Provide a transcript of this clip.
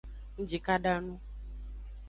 Ngjikada nu.